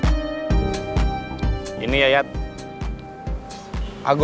terima kasih bang